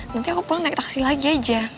nanti aku pulang naik taksi lagi aja